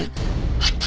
あった！